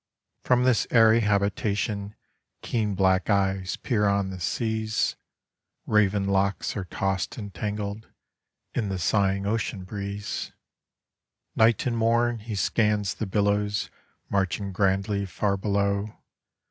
From this airy habitation keen black eyes peer on the seas, Raven locks are tossed and tangled in the sigh ing ocean breeze. Night and morn he scans the billows marching grandly far below.